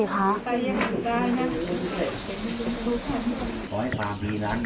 หน้าหน่อยสิคะ